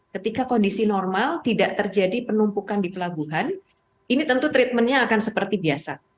ketika kondisi normal tidak terjadi penumpukan di pelabuhan ini tentu treatmentnya akan seperti biasa